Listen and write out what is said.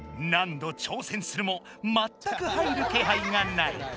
何度挑戦するもまったく入るけはいがない。